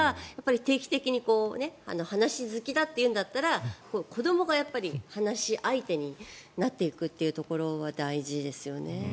定期的に話好きだというんだったら子どもがやっぱり話し相手になっていくというところは大事ですよね。